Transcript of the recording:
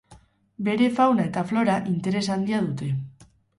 Bere fauna eta flora interes handia dute.